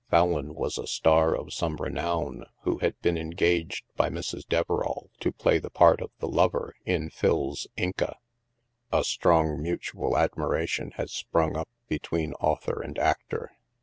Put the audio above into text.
Fallon was a star of some renown who had been engaged by Mrs. Deverall to play the part of the lover in Phil's " Inca." A strong mutual admira tion had sprung up between author and actor.